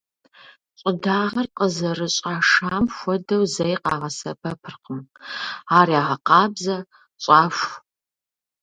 Щӏыдагъэр къызэрыщӏашам хуэдэу зэи къагъэсэбэпыркъым, ар ягъэкъабзэ, щӏаху.